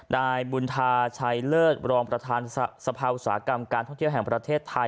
นายบุญธาชัยเลิศรองประธานสภาอุตสาหกรรมการท่องเที่ยวแห่งประเทศไทย